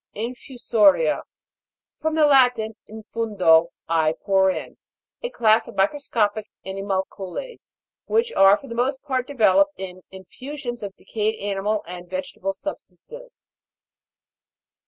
INFUSO'RIA. From the Latin, in fundo, I pour in. A class of microscopic animalcules, which are for the most part developed in infusions of decayed animal and vegetable substances.